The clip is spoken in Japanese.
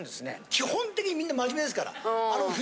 基本的にみんな真面目ですから。